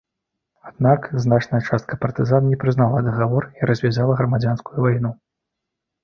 Аднак, значная частка партызан не прызнала дагавор і развязала грамадзянскую вайну.